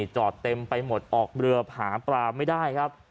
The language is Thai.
เต็มไปหมดออกเรือหาปลาไม่ได้ครับ